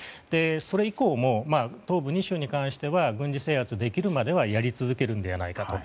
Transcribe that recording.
それ以降も東部２州に関しては軍事制圧できるまではやり続けるのではないかと。